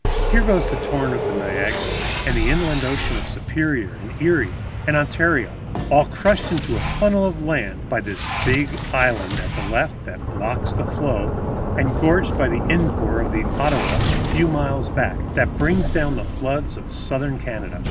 Here goes the torrent of Niagara and the inland ocean of Superior and Erie and Ontario, all crushed into a funnel of land by this big island at the left that blocks the flow, and gorged by the in pour of the Ottawa a few miles back that brings down the floods of southern Canada.